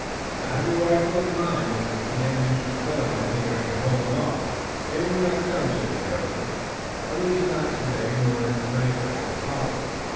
I have your rifle and mine, and if the enemy should come I think I can hold 'em off." "They will not come," said Tayoga, "at least, not today nor in the night that will follow.